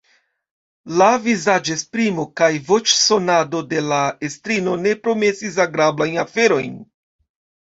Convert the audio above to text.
La vizaĝesprimo kaj voĉsonado de la estrino ne promesis agrablajn aferojn.